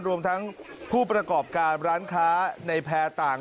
รวมทั้งผู้ประกอบการร้านค้าในแพร่ต่าง